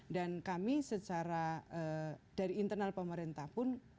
kami secara dari internal pemerintah pun